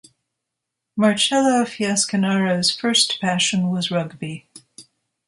Marcello Fiasconaro's first passion was rugby.